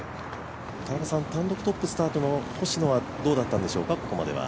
単独トップスタートの星野はここまでどうだったんでしょうか？